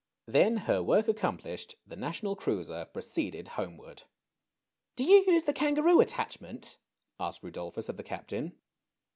Then, her work accomplished, the National Cruiser '' proceeded homeward . Do you use the Kangaroo attachment ? asked Rudolphus of the captain.